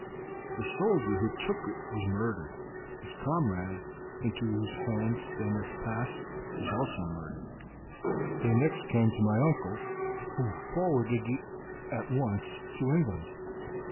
The soldier who took it was murdered; his comrade, into whose hands they next passed, was also murdered. They next came to my uncle, who forwarded it at once to England.